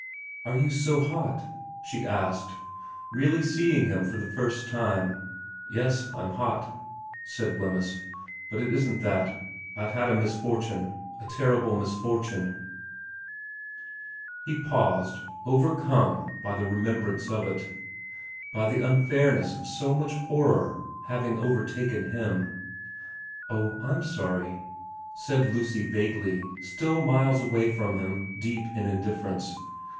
4 Are you so hot ?' she asked, really seeing him for the first time. ' Yes, I'm hot,' said Wemyss. ' But it isn't that. I've had a misfortune a terrible misfortune He paused, overcome by the remembrance of it, by the unfairness of so much horror having overtaken him. i VERA 9 ' Oh, I'm sorry,' said Lucy vaguely, still miles away from him, deep in indifference.